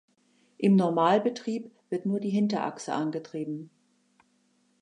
Im Normalbetrieb wird nur die Hinterachse angetrieben.